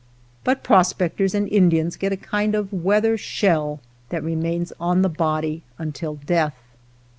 But prospectors and 4 / Indians get a kind of a weather shell that / remains on the body until death.